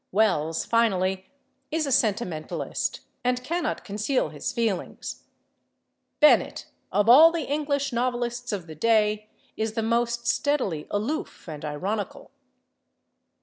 Wells, finally, is a sentimentalist, and cannot conceal his feelings; Bennett, of all the English novelists of the day, is the most steadily aloof and ironical.